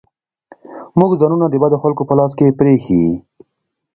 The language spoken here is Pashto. موږ ځانونه د بدو خلکو په لاس کې پرېښي.